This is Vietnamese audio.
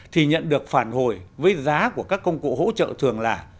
thì nhận được phản hồi với giá của các công cụ hỗ trợ thường là